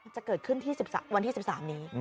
จะเกิดขึ้นที่วันที่๑๓นี้